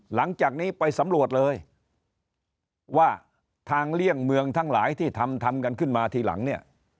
หลังจากนี้ไปสำรวจเลยว่าทางเลี่ยงเมืองทั้งหลายที่ทำทำกันขึ้นมาทีหลังเนี่ย